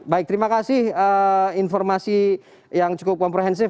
baik terima kasih informasi yang cukup komprehensif